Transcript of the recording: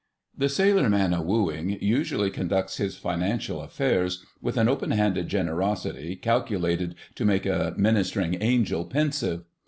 The sailor man a wooing usually conducts his financial affairs with an open handed generosity calculated to make a ministering angel pensive.